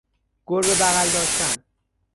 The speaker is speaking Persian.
گربه بغل داشتن